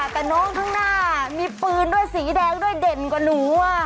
แต่น้องข้างหน้ามีปืนด้วยสีแดงด้วยเด่นกว่าหนู